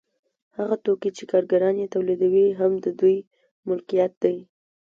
هغه توکي چې کارګران یې تولیدوي هم د دوی ملکیت دی